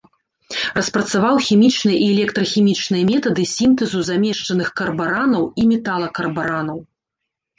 Распрацаваў хімічныя і электрахімічныя метады сінтэзу замешчаных карбаранаў і металакарбаранаў.